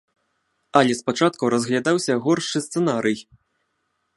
Але спачатку разглядаўся горшы сцэнарый.